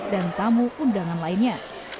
dan tamu undangan lainnya